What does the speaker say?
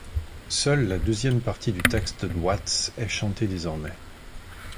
Seule la deuxième partie du texte de Watts est chantée désormais.